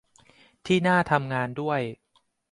ที่น่าทำงานด้วย